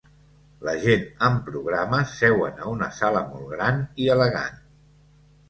La gent amb programes seuen a una sala molt gran i elegant.